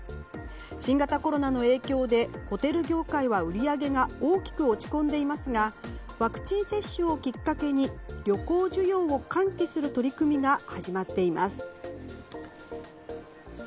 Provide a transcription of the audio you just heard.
新型コロナの影響でホテル業界は売り上げが大きく落ち込んでいますがワクチン接種をきっかけに旅行需要を喚起する取り組みが始まっています。